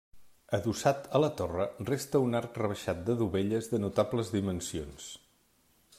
Adossat a la torre resta un arc rebaixat de dovelles, de notables dimensions.